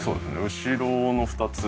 後ろの２つと。